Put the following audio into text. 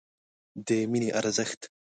د مینې ارزښت